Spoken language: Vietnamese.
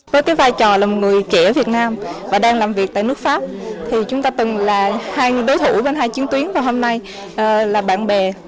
với cái vai trò là một người trẻ ở việt nam và đang làm việc tại nước pháp thì chúng ta từng là hai đối thủ bên hai chiến tuyến và hôm nay là bạn bè